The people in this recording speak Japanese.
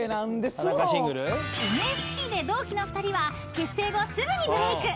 ［ＮＳＣで同期の２人は結成後すぐにブレイク］